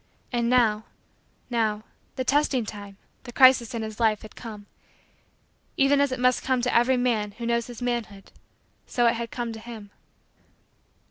And now now the testing time the crisis in his life had come. Even as it must come to every man who knows his manhood so it had come to him.